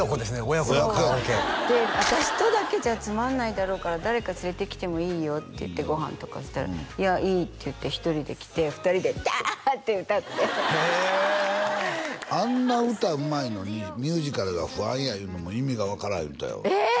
親子のカラオケそう私とだけじゃつまんないだろうから「誰か連れてきてもいいよ」って言ってご飯とかそしたら「いやいい」って言って１人で来て２人でダーッて歌ってへえあんな歌うまいのにミュージカルが不安やいうのも意味が分からん言うてたよえっ！？